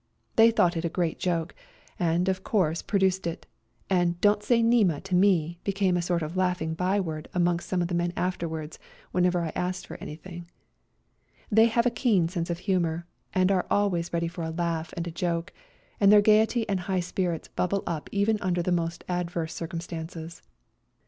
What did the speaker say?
They thought it a great joke, and of course produced it, and " Don't say ' Nema ' to me " became a sort of laughing byword amongst some of the men afterwards when ever I asked for anything. They have a keen sense of humour, and are always 84 A COLD NIGHT RIDE ready for a laugh and a joke, and their gaiety and high spirits bubble up even under the most adverse circumstances.